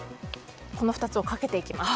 この２つをかけていきます。